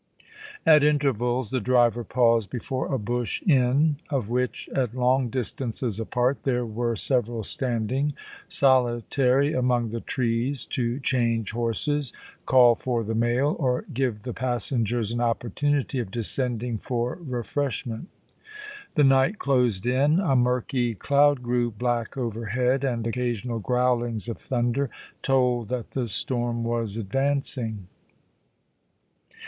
At intervals the driver paused before a bush inn, of which, at long distances apart, there were several standing solitary among the trees, to change horses, call for the mail, or give the passengers an opportunity of descending for refreshment The night closed in ; a murky cloud grew black overhead, and occasional growlings of thunder told that the storm was advancing.